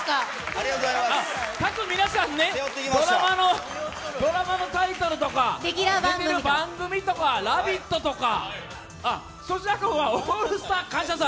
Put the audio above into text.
皆さん、ドラマのタイトルとか番組とか、「ラヴィット！」とか、粗品君は「オールスター感謝祭」？